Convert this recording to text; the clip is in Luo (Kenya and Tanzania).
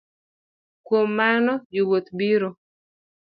Kuom mano jowuoth biro